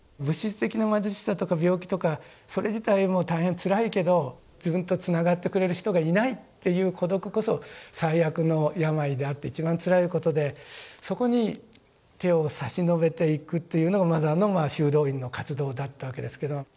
物質的な貧しさとか病気とかそれ自体も大変つらいけど自分とつながってくれる人がいないという孤独こそ最悪の病であって一番つらいことでそこに手を差し伸べていくというのがマザーの修道院の活動だったわけですけど。